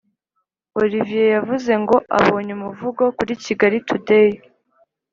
orivier yavuze ngo abonye umuvugo kuri kigali today